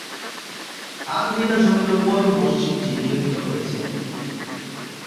আধ বিঘা জমির উপর মসজিদটি নির্মিত হয়েছে।